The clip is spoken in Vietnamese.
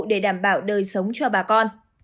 để đảm bảo đời sống cho bà con